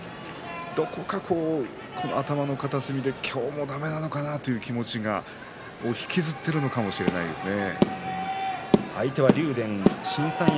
どこか頭の片隅で今日もだめなのかなという気持ちを引きずっているのかもしれませんね。